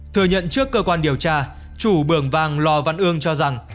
thừa nhận trước cơ quan điều tra chủ bởng vàng lò văn ương cho rằng